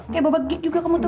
kayak babak gig juga kamu tuh